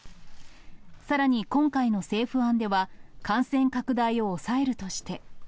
さらに、今回の政府案では、感染拡大を抑えるとして。